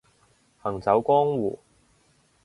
行走江湖